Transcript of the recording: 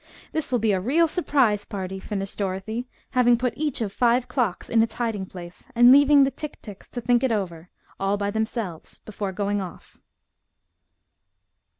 "This will be a real surprise party," finished Dorothy, having put each of five clocks in its hiding place, and leaving the tick ticks to think it over, all by themselves, before going off.